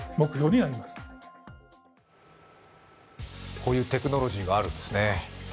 こういうテクノロジーがあるんですね。